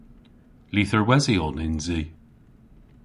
Lytherwesyon yns i.